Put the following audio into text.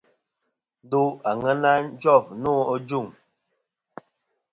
Ndo àŋena jof nô ajuŋ.